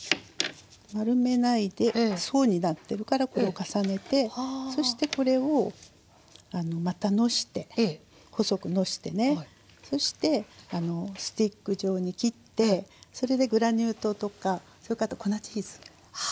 丸めないで層になってるからこれを重ねてそしてこれをまたのして細くのしてねそしてスティック状に切ってそれでグラニュー糖とかそれからあと粉チーズおいしいんですよね。